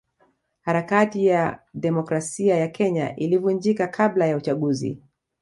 Harakati ya demokrasia ya Kenya ilivunjika kabla ya uchaguzi